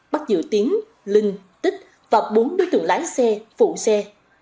bắt giữ tiến linh tích và bốn đối tượng lái xe phụ xe